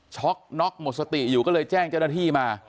น็อกหมดสติอยู่ก็เลยแจ้งเจ้าหน้าที่มา